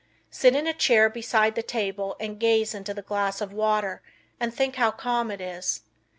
Sit in a chair beside the table and gaze into the glass of water and think how calm it is.